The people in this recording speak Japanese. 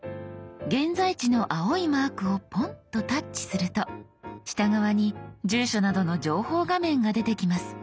現在地の青いマークをポンとタッチすると下側に住所などの情報画面が出てきます。